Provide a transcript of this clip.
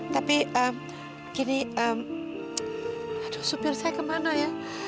tapi gini aduh supir saya kemana ya